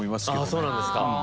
あそうなんですか。